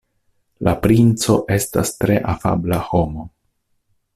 La princo estas tre afabla homo.